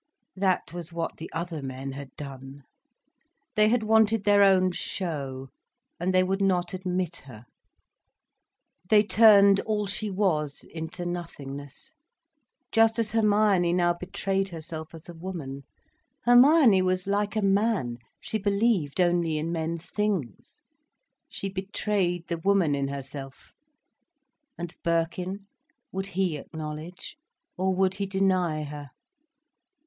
That was what the other men had done. They had wanted their own show, and they would not admit her, they turned all she was into nothingness. Just as Hermione now betrayed herself as a woman. Hermione was like a man, she believed only in men's things. She betrayed the woman in herself. And Birkin, would he acknowledge, or would he deny her?